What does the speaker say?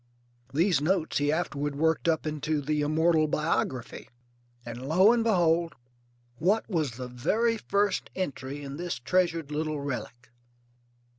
These notes he afterward worked up into the immortal Biography. And lo and behold, what was the very first entry in this treasured little relic?